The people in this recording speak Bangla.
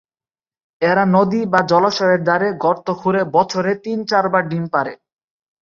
এরা নদী বা জলাশয়ের ধারে গর্ত খুঁড়ে বছরে তিন-চারবার ডিম পাড়ে।